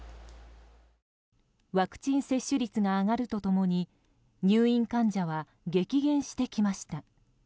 ワクチン接種率が上がると共に入院患者は激減してきました。